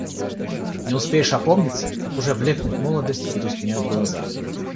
Не успеешь опомниться, как уже блекнет молодость и тускнеют глаза.